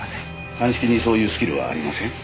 鑑識にそういうスキルはありません。